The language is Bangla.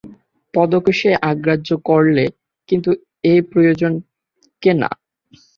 পদকে সে অগ্রাহ্য করলে, কিন্তু এই প্রয়োজনকে না।